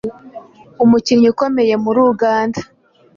Umukinnyi ukomeye muri Uganda